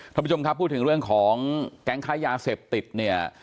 ท่านผู้ชมครับพูดถึงเรื่องของแก๊งค้ายาเสพติดเนี่ย